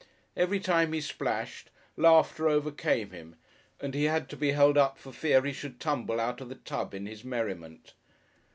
Every time he splashed, laughter overcame him, and he had to be held up for fear he should tumble out of the tub in his merriment.